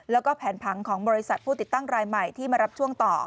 แล้วก็แผนผังของบริษัทผู้ติดตั้งรายใหม่ที่มารับช่วงต่อ